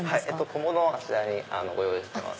小物はあちらにご用意してます。